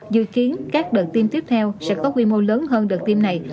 dự kiến các đợt tiêm tiếp theo sẽ có quy mô lớn hơn đợt tiêm này